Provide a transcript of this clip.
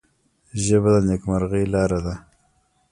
ژبه د نیکمرغۍ لاره ده